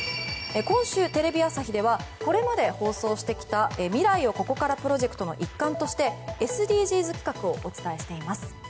今週、テレビ朝日ではこれまで放送してきた未来をここからプロジェクトの一環としてＳＤＧｓ企画をお伝えしています。